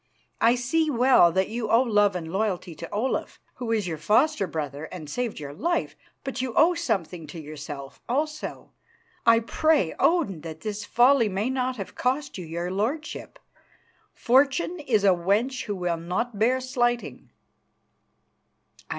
I see well that you owe love and loyalty to Olaf, who is your foster brother and saved your life, but you owe something to yourself also. I pray Odin that this folly may not have cost you your lordship. Fortune is a wench who will not bear slighting."